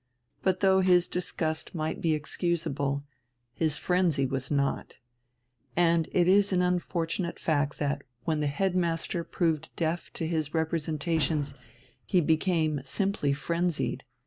But though his disgust might be excusable, his frenzy was not: and it is an unfortunate fact that, when the head master proved deaf to his representations, he became simply frenzied.